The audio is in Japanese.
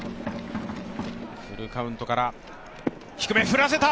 フルカウントから低めを振らせた！